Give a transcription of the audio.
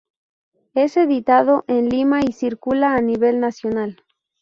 Es editado en Lima y circula a nivel nacional.